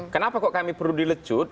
kenapa kok kami perlu dilecut